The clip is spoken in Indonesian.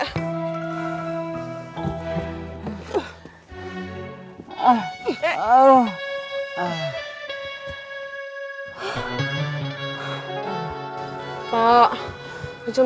cil minta bantuan ya